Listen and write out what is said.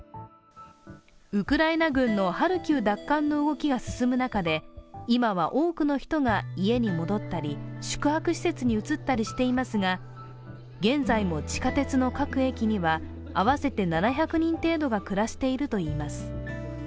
ウクライナ軍のハルキウ奪還の動きが進む中で今は多くの人が家に戻ったり宿泊施設に移ったりしていますが、現在も地下鉄の各駅には合わせて７００人程度が暮らしているといいます。